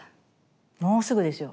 もうすぐですよ。